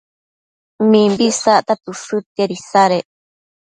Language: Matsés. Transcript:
mimbi isacta tësëdtiad isadec